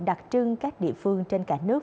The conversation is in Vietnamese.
đặc trưng các địa phương trên cả nước